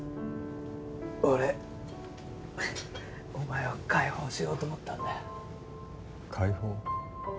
俺お前を解放しようと思ったんだよ解放？